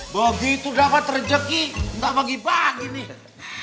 begitu dapat rezeki gak bagi bagi nih